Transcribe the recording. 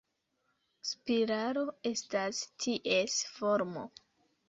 Spiralo estas ties formo.